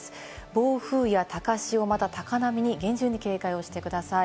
暴風や高潮、また高波に厳重に警戒をしてください。